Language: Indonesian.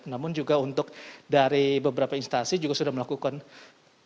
namun juga untuk dari beberapa instansi juga sudah melakukan